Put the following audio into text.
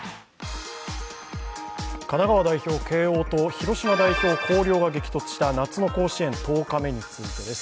神奈川県代表、慶応と広島代表、広陵が激突した夏の甲子園１０日目についてです。